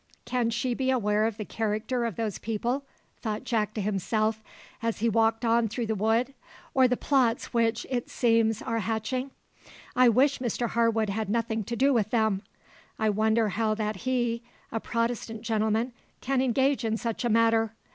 "Can she be aware of the character of those people," thought Jack to himself, as he walked on through the wood, "or the plots which, it seems, are hatching? I wish Mr Harwood had nothing to do with them! I wonder how that he, a Protestant gentleman, can engage in such a matter.